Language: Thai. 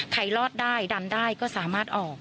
รอดได้ดำได้ก็สามารถออก